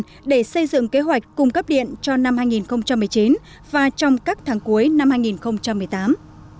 bộ công thương đã xây dựng kế hoạch cung cấp điện cho năm hai nghìn một mươi chín và trong các tháng cuối năm hai nghìn một mươi tám